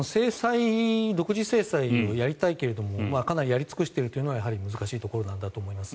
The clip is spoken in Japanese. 独自制裁をやりたいけどもかなりやり尽くしているというのは難しいところなんだと思います。